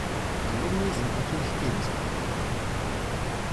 Alumni sind natürlich ebenso eingeladen.